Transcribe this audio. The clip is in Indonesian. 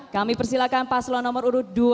kami persilakan paslon nomor urut dua